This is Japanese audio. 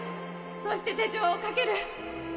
そして手錠をかける